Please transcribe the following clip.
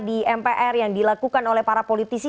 di mpr yang dilakukan oleh para politisi